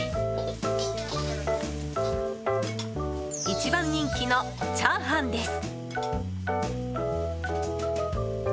一番人気のチャーハンです。